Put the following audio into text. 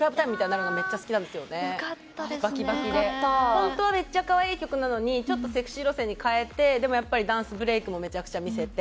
本当はめっちゃかわいい曲なのにちょっとセクシー路線に変えてでもやっぱりダンスブレークもめちゃくちゃ見せて。